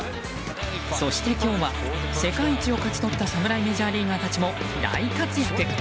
そして今日は世界一を勝ち取った侍メジャーリーガーも大活躍。